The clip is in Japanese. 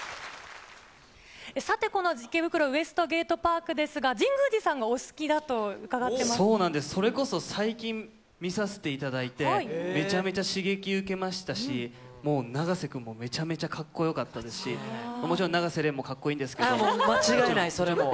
さて、この池袋ウエストゲートパークですが、神宮寺さんがお好きだと伺そうなんです、それこそ最近見させていただいて、めちゃめちゃ刺激受けましたし、もう長瀬君もめちゃめちゃかっこよかったですし、もちろん永瀬廉もう間違いない、それはもう。